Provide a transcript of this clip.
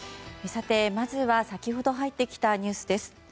さて、まずは先ほど入ってきたニュースです。